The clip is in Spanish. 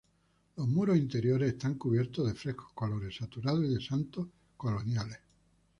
Los muros interiores están cubiertos de frescos colores saturados y de santos coloniales.